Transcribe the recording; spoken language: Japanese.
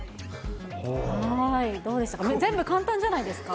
どうでしたか？